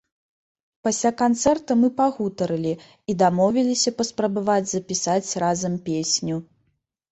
Пасля канцэрта мы пагутарылі і дамовіліся паспрабаваць запісаць разам песню.